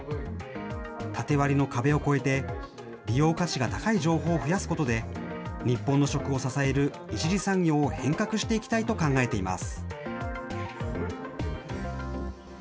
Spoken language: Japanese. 縦割りの壁を越えて、利用価値が高い情報を増やすことで、日本の食を支える１次産業を変革していきたいと考えています。